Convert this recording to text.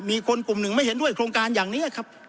มีคนกลุ่มหนึ่งไม่เห็นด้วยโครงการอย่างนี้ครับ